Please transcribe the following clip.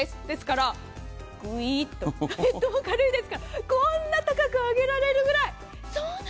ですから、グイッと、軽いですから、こんな高く上げられるくらい。